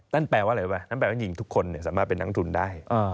นั่นแปลว่าอะไรรู้ไหมนั่นแปลว่าหญิงทุกคนสามารถเป็นนักทุนได้